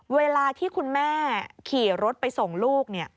เวลาที่คุณแม่ขี่รถไปส่งลูก